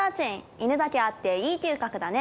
犬だけあっていい嗅覚だね